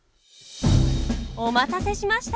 お待たせしました！